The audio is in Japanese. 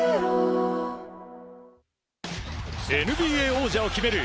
ＮＢＡ王者を決める